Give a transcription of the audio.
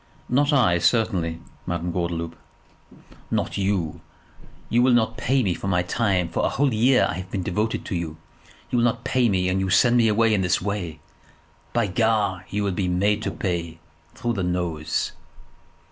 "Not I, certainly, Madame Gordeloup." "Not you! You will not pay me for my time; for a whole year I have been devoted to you! You will not pay me, and you send me away in this way? By Gar, you will be made to pay, through the nose."